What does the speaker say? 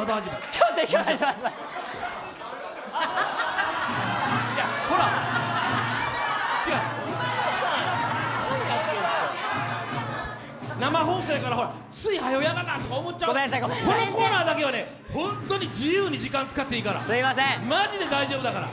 ちょっとほら、違う生放送やから、つい、はよやらなとか思っちゃうこのコーナーだけはね、本当に自由に時間使って大丈夫だから。